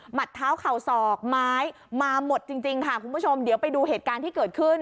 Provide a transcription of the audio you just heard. เท้าเข่าศอกไม้มาหมดจริงค่ะคุณผู้ชมเดี๋ยวไปดูเหตุการณ์ที่เกิดขึ้น